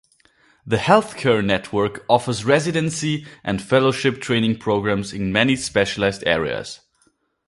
The healthcare network offers residency and fellowship training programs in many specialized areas.